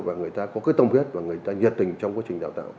và người ta có cái tâm huyết và người ta nhiệt tình trong quá trình đào tạo